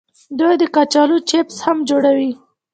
دوی د کچالو چپس هم جوړوي.